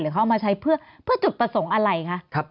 เขาเอามาใช้เพื่อจุดประสงค์อะไรคะ